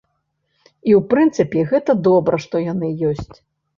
І ў прынцыпе, гэта добра, што яны ёсць.